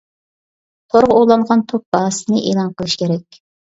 تورغا ئۇلانغان توك باھاسىنى ئېلان قىلىش كېرەك.